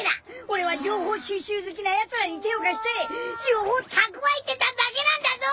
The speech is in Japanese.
俺は情報収集好きなやつらに手を貸して情報蓄えてただけなんだぞ！